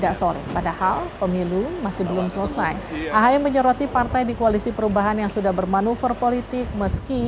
kalau kita disana kemarin ya kita ditinggalkan sendiri yang lain sudah kemarin karena kita tidak mudah menyatakan begitu begitu